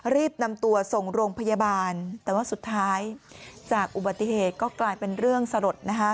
รีบนำตัวส่งโรงพยาบาลแต่ว่าสุดท้ายจากอุบัติเหตุก็กลายเป็นเรื่องสลดนะคะ